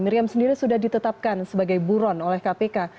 miriam sendiri sudah ditetapkan sebagai buron oleh kpk